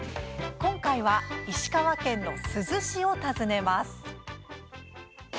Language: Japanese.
今回は石川県の珠洲市を訪ねます。